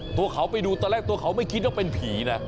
ตัวเขาไปดูตอนแรกตัวเขาไม่คิดว่าเป็นผีนะ